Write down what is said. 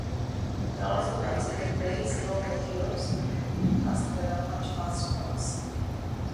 They are also considered very slow meteors, as there are much faster ones.